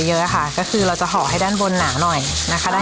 เยอะค่ะก็คือเราจะห่อให้ด้านบนหนาวหน่อยนะคะ